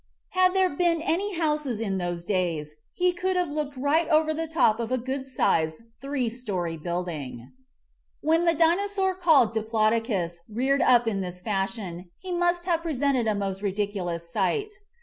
Had there been any houses in MIGHTY ANIMALS 2 18 MIGHTY ANIMALS those days, he could have looked right over the top of a good sized three story building. When the Dinosaur called Diplodocus reared up in this fashion he must have presented a most ridiculous sight.